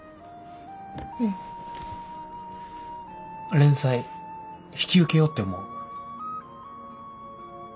連載引き受けようって思う。